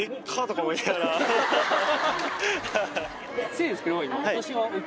失礼ですけど今。